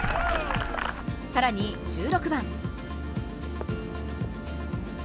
更に１６番。